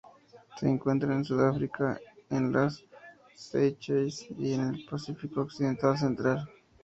Se encuentran en Sudáfrica, en las Seychelles y en el Pacífico occidental central.